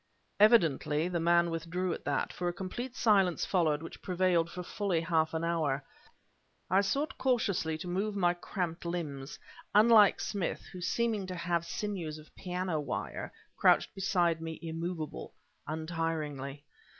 Evidently the man withdrew at that; for a complete silence followed which prevailed for fully half an hour. I sought cautiously to move my cramped limbs, unlike Smith, who seeming to have sinews of piano wire, crouched beside me immovable, untiringly.